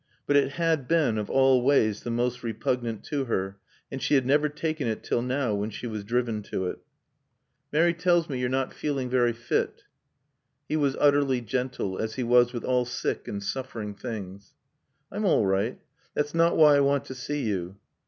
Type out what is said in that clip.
But it had been of all ways the most repugnant to her, and she had never taken it till now when she was driven to it. "Mary tells me you're not feeling very fit." He was utterly gentle, as he was with all sick and suffering things. "I'm all right. That's not why I want to see you."